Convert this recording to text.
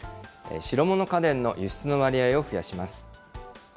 白物家電の輸出の割合を増やします。